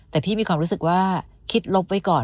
แต่พี่มีความรู้สึกว่าคิดลบไว้ก่อน